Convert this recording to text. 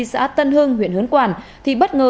xã tân hưng huyện hớn quảng thì bất ngờ